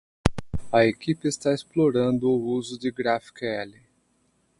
A equipe está explorando o uso de GraphQL.